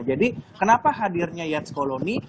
jadi kenapa hadirnya yates colony